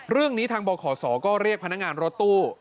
เรื่องนี้ทางบขศก็เรียกพนักงานรถตู้